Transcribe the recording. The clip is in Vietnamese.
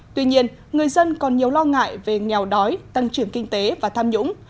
tuy nhiên người dân còn nhiều lo ngại về nghèo đói tăng trưởng kinh tế và tham nhũng